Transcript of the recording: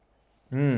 うん。